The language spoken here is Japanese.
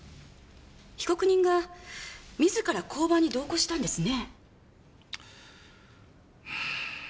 被告人が自ら交番に同行したんですね？